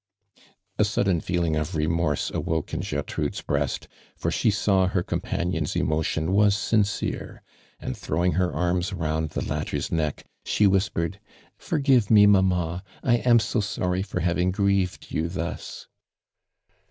A sudden feeling of remorse awoke in Gertrude's breast, for she saw her com panion's emotion was sincere, and throwing her arms around the latter's neck, slio whispered: " Furgivo me, mamma, I am so sorry lor having grieved you thus